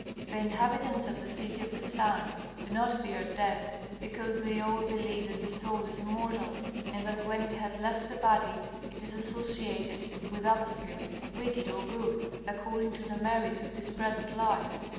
The inhabitants of the City of the Sun do not fear death, because they all believe that the soul is immortal, and that when it has left the body it is associated with other spirits, wicked or good, according to the merits of this present life.